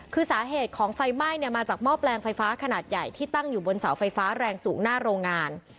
คือสาเหตุของไฟไหม้เนี่ยมาจากหม้อแปลงไฟฟ้าขนาดใหญ่ที่ตั้งอยู่บนเสาไฟฟ้าแรงสูงหน้าโรงงาน